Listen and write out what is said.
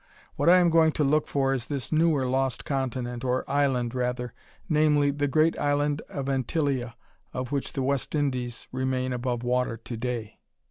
What I am going to look for is this newer lost continent, or island rather namely, the great island of Antillia, of which the West Indies remain above water to day."